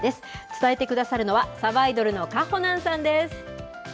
伝えてくださるのは、さばいどるのかほなんさんです。